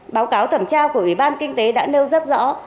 báo cáo thẩm tra của ủy ban kinh tế đã nêu rất rõ